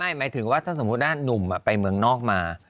หมายถึงว่าถ้าสมมุติว่านุ่มไปเมืองนอกมา